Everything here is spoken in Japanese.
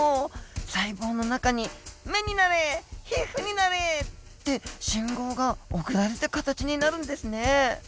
細胞の中に目になれ皮膚になれって信号が送られて形になるんですね。